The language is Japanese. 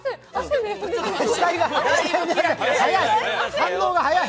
反応が早い！